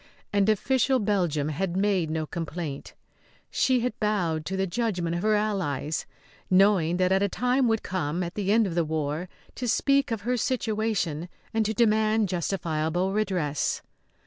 And official Belgium had made no complaint. She had bowed to the judgment of her allies, knowing that a time would come, at the end of the war, to speak of her situation and to demand justifiable redress.